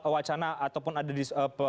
wacana ataupun ada di